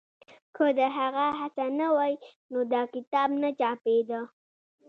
که د هغه هڅه نه وای نو دا کتاب نه چاپېده.